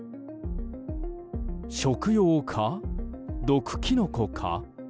食用か、毒キノコか。